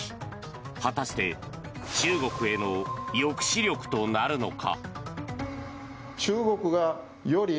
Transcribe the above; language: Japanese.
果たして中国への抑止力となるのか。